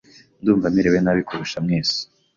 Ndumva merewe nabi kurusha mwese .